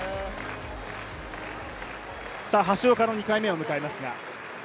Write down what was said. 橋岡の２回目を迎えますが。